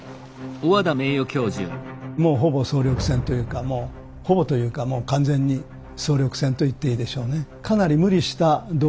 もうほぼ総力戦というかほぼというかもう完全に総力戦と言っていいでしょうね。